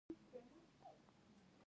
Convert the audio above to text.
لبنیات هم پکار دي.